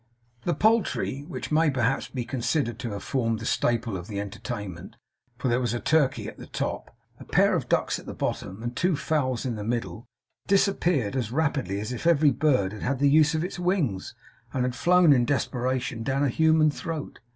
The poultry, which may perhaps be considered to have formed the staple of the entertainment for there was a turkey at the top, a pair of ducks at the bottom, and two fowls in the middle disappeared as rapidly as if every bird had had the use of its wings, and had flown in desperation down a human throat.